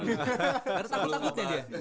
karena takut takutnya dia